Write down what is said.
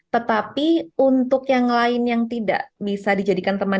tetapi untuk yang lain yang tidak bisa dijadikan teman